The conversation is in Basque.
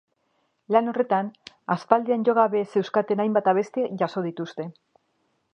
Lan horretan, aspaldian jo gabe zeuzkaten hainbat abesti jaso dituzte.